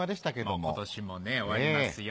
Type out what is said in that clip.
もう今年もね終わりますよ。